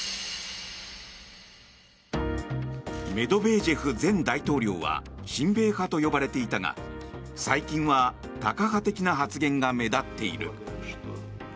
メドベージェフ前大統領は親米派と呼ばれていたが最近はタカ派的な発言が目立っている。